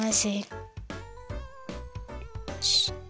よし！